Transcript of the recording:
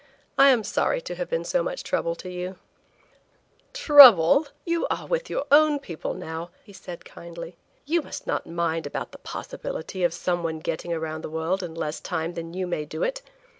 "I am sorry to have been so much trouble to you." "Trouble! You are with your own people now, and we are only too happy if we can be of service," he said kindly. "You must not mind about the possibility of some one getting around the world in less time than you may do it.